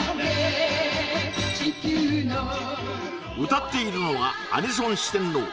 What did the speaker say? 歌っているのはアニソン四天王